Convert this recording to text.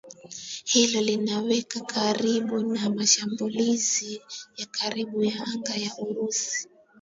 Hilo linawaweka karibu na mashambulizi ya karibuni ya anga ya Urusi